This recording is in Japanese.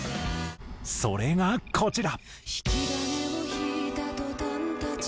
それがこちら。